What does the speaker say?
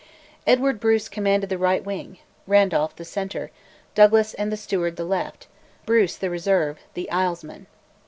Edward Bruce commanded the right wing; Randolph the centre; Douglas and the Steward the left; Bruce the reserve, the Islesmen.